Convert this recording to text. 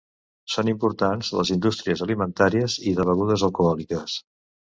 Són importants les indústries alimentàries i de begudes alcohòliques.